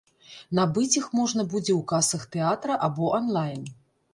Набыць іх можна будзе ў касах тэатра або анлайн.